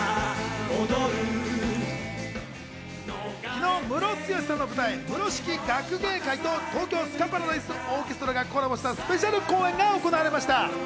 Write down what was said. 昨日、ムロツヨシさんの舞台『ｍｕｒｏ式．がくげいかい』と東京スカパラダイスオーケストラがコラボしたスペシャル公演が行われました。